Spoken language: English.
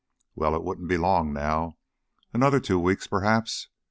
Well, it wouldn't be long now another two weeks perhaps!